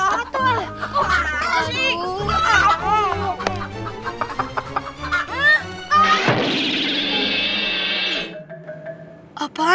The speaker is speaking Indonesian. hah teh sapi